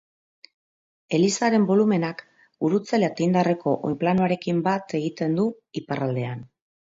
Elizaren bolumenak gurutze latindarreko oinplanoarekin bat egiten du iparraldean.